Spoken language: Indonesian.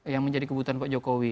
yang menjadi kebutuhan pak jokowi